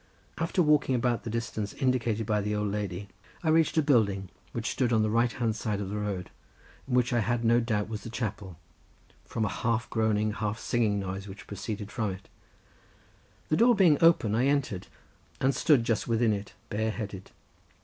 After walking about the distance indicated by the old lady, I reached a building, which stood on the right hand side of the road, and which I had no doubt was the chapel from a half groaning, half singing noise, which proceeded from it. The door being open I entered, and stood just within it, bare headed.